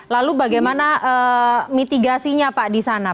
lalu bagaimana mitigasinya pak di sana